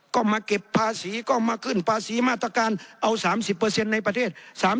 ก็มาเก็บภาษีก็มาขึ้นภาษีมาตรการเอา๓๐ในประเทศ